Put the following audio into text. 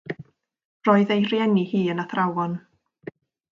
Roedd ei rhieni hi yn athrawon.